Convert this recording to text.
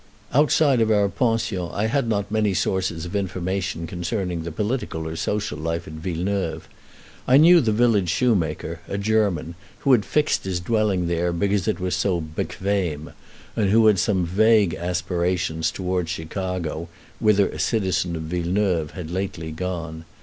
Outside of our pension I had not many sources of information concerning the political or social life at Villeneuve. I knew the village shoemaker, a German, who had fixed his dwelling there because it was so bequem, and who had some vague aspirations towards Chicago, whither a citizen of Villeneuve had lately gone.